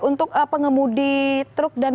untuk pengemudi truk dan